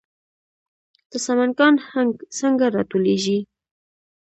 د سمنګان هنګ څنګه راټولیږي؟